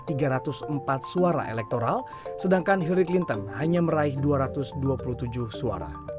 trump mengambil dua puluh empat suara elektoral sedangkan hillary clinton hanya meraih dua ratus dua puluh tujuh suara